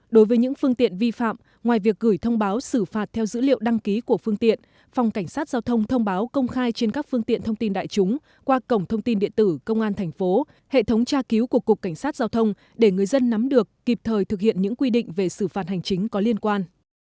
đối với những phương tiện vi phạm ngoài việc gửi thông báo xử phạt theo dữ liệu đăng ký của phương tiện phòng cảnh sát giao thông thông báo công khai trên các phương tiện thông tin đại chúng qua cổng thông tin điện tử công an thành phố hệ thống tra cứu của cục cảnh sát giao thông để người dân nắm được kịp thời thực hiện những quy định về xử phạt hành chính có liên quan